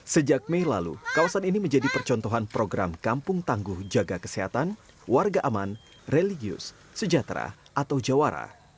sejak mei lalu kawasan ini menjadi percontohan program kampung tangguh jaga kesehatan warga aman religius sejahtera atau jawara